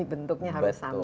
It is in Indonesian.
bentuknya harus sama